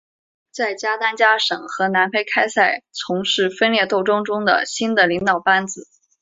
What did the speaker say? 在加丹加省和南非开赛从事分裂斗争中的新的领导班子。